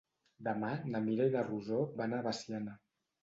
Demà na Mira i na Rosó van a Veciana.